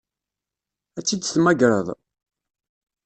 Ad tt-id-temmagreḍ?